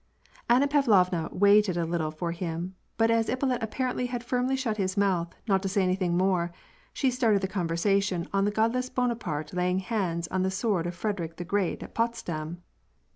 Anna Pavlovna waited a little for him, but as Ippolit apparently had firmly shut his mouth not to say anything more, she started the tjonversation on the godless Bonaparte laying hands on the sword of Frederick the Great at Potsdam.